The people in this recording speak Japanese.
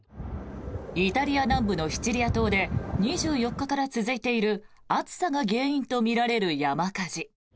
イタリア南部のシチリア島で２４日から続いている暑さが原因とみられる山火事。